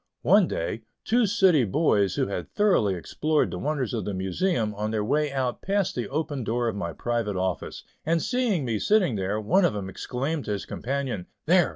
One day, two city boys who had thoroughly explored the wonders of the Museum, on their way out passed the open door of my private office, and seeing me sitting there, one of them exclaimed to his companion: "There!